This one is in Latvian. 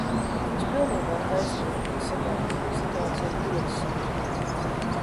Jums pilnībā ir taisnība, kad sakāt, ka situācija ir ļoti sarežģīta.